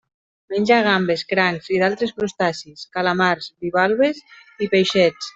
Menja gambes, crancs i d'altres crustacis, calamars, bivalves i peixets.